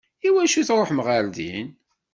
I wacu i tṛuḥem ɣer din?